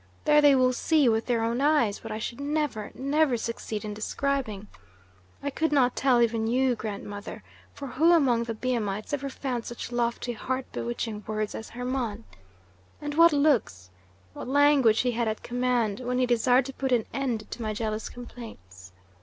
There they will see, with their own eyes, what I should never, never succeed in describing. I could not tell even you, grandmother, for who among the Biamites ever found such lofty, heart bewitching words as Hermon? And what looks, what language he had at command, when he desired to put an end to my jealous complaints!